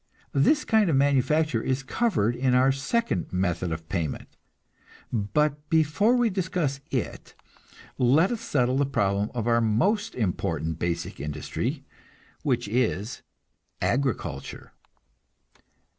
This kind of manufacture is covered in our second method of payment; but before we discuss it, let us settle the problem of our most important basic industry, which is agriculture.